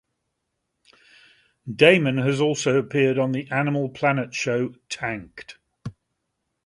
Damon has also appeared on the Animal Planet show "Tanked".